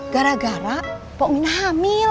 karena saya sudah hamil